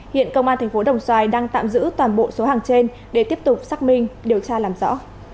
hiện công an thành phố đồng xoài đang tạm giữ toàn bộ số hàng trên để tiếp tục xác minh điều tra làm rõ